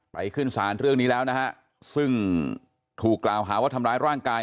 ขึ้นสารเรื่องนี้แล้วนะฮะซึ่งถูกกล่าวหาว่าทำร้ายร่างกาย